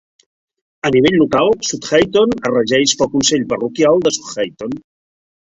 A nivell local, South Heighton es regeix pel Consell Parroquial de South Heighton.